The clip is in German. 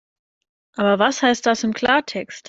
Aber was heißt das im Klartext?